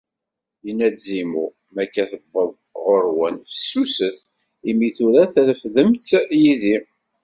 Yenna-d Zimu: "Mi akka d-tewweḍ ɣur-wen, fessuset, imi tura trefdem-tt yid-i."